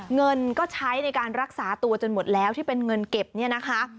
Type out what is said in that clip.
เงินก็ใช้ในการรักษาตัวจนหมดแล้วที่เป็นเงินเก็บเนี่ยนะคะ